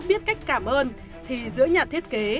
biết cách cảm ơn thì giữa nhà thiết kế